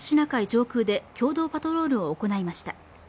上空で共同パトロールを行いました